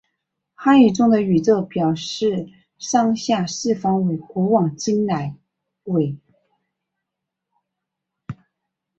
汉语中的宇宙表示上下四方为古往今来为。